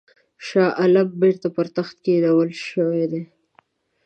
شاه عالم بیرته پر تخت کښېنول شوی دی.